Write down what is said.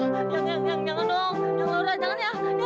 aduh yang yang jangan dong jangan lorot jangan ya ya ya ya